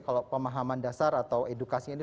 kalau pemahaman dasar atau edukasinya ini